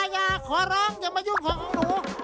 อย่าขอร้องอย่ามายุ่งของของหนู